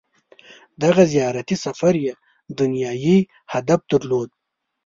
• دغه زیارتي سفر یې دنیايي هدف درلود.